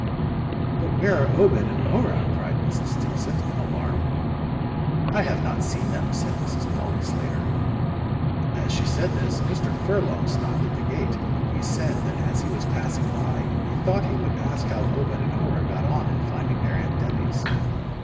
"But where are Obed and Orah?" cried Mrs. Stimpcett, in alarm. "I have not seen them," said Mrs. Polly Slater. As she said this, Mr. Furlong stopped at the gate. He said that as he was passing by he thought he would ask how Obed and Orah got on in finding their aunt Debby's.